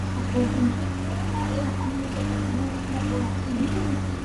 Es la ciudad más cercana a cabo Leeuwin, el punto más sur-occidental de Australia.